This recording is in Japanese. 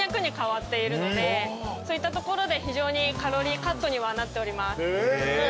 そういったところで非常にカロリーカットにはなっております。